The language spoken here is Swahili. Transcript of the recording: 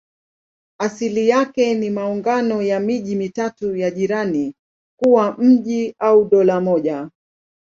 Asili yake ni maungano ya miji mitatu ya jirani kuwa mji au dola moja.